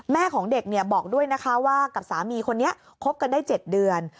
ของเด็กบอกด้วยนะคะว่ากับสามีคนนี้คบกันได้๗เดือน